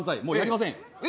もうやりません。